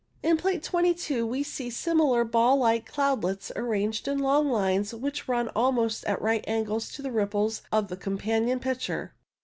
In Plate 22 we see similar ball like cloudlets ranged in long lines which run almost at right angles to the ripples of the com panion picture.